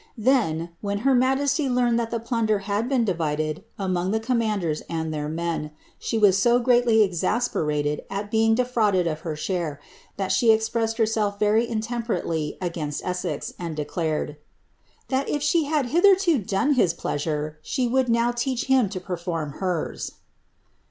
* Then, when her majesty learned that the plunder had been *d among the commanders and their men, she was so greatly exas sd at being defrauded of her share, that she expressed herself very perately against Essex, and declared, ^ that if she had hitherto his pleasure, she would now teach him to perform hers.''